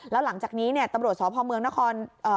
แล้วหลังจากนี้เนี่ยตำรวจสพเมืองนครเอ่อ